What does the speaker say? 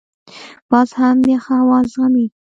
باز هم یخ هوا زغمي